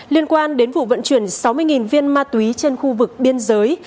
liên quan đến vụ vận chuyển sáu mươi viên ma túy trên khu vực biên giới